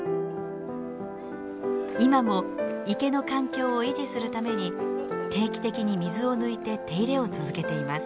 今も池の環境を維持するために定期的に水を抜いて手入れを続けています。